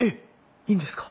いいんですか？